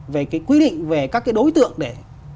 về cái quy định về các cái đối tượng để